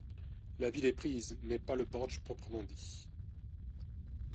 La ville est prise, mais pas le bordj proprement dit.